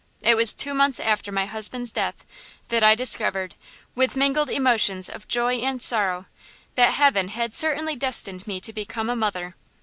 It was two months after my husband's death that I discovered, with mingled emotions of joy and sorrow, that heaven had certainly destined me to become a mother!